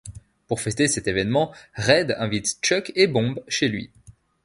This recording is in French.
Pour fêter cet événement, Red invite Chuck et Bomb chez lui.